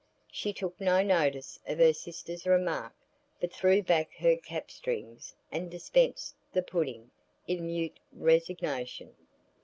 She took no notice of her sister's remark, but threw back her capstrings and dispensed the pudding, in mute resignation.